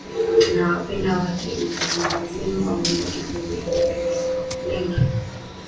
na wapendwa wake itamlazimu aondoke kwenye eneo ndege